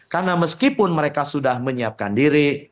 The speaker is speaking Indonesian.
karena meskipun mereka sudah menyiapkan diri